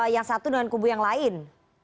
yang satu dengan kubu yang lain